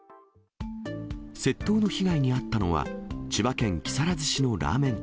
窃盗の被害に遭ったのは、千葉県木更津市のラーメン店。